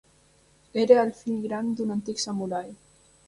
Era el fill gran d'un antic samurai.